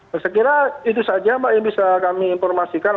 saya kira itu saja mbak yang bisa kami informasikan